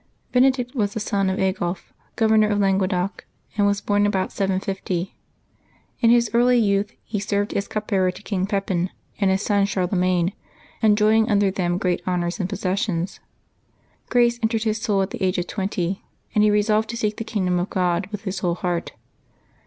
©ENEDICT was the son of Aigulf, Governor of Langue doc, and was born about 750. In his early youth he served as cup bearer to King Pepin and his son Charle magne, enjoying under them great honors and possessions. Grace entered his soul at the age of twenty, and he re solved to seek the kingdom of God with his whole heart.